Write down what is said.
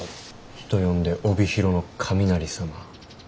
人呼んで帯広の雷様。